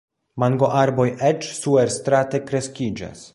Mangoarboj eĉ suerstrate kreskiĝas.